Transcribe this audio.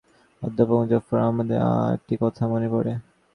এসব দেখে নাকি ন্যাপ-প্রধান অধ্যাপক মোজাফফর আহমদের একটি কথা মনে পড়ে।